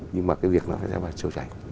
nhưng mà cái việc nó sẽ trôi chảy